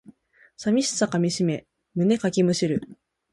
寂しさかみしめ胸かきむしる